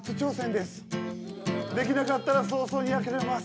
できなかったら早々に諦めます。